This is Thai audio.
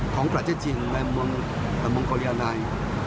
ของประเทศจีนในเมืองมองโกเรียนาย